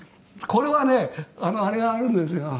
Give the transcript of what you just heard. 「これはねあれがあるんですよ」